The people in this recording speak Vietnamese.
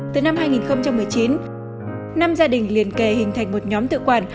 từ năm hai nghìn một mươi chín năm gia đình liền kề hình thành một nhóm tự quản